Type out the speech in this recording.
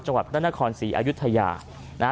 จังหวัดด้านนคร๔อายุทยา